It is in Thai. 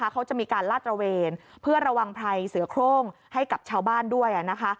เขาจะมีการลาดตระเวนเพื่อระวังภัยเสือโครงให้กับชาวบ้านด้วย